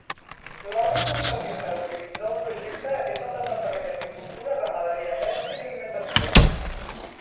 L'òrgan competent per autoritzar el projecte és el Departament d'Agricultura, Ramaderia, Pesca i Alimentació.